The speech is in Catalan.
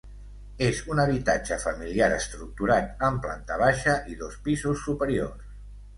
És un habitatge familiar estructurat en planta baixa i dos pisos superiors.